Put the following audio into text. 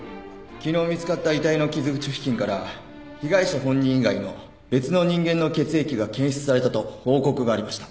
昨日見つかった遺体の傷口付近から被害者本人以外の別の人間の血液が検出されたと報告がありました。